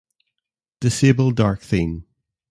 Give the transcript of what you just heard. Disable dark theme